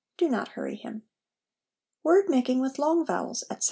Do not hurry him. Word making with Long Vowels, etc.